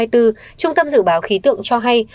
trung tâm dự báo khí tượng cho hay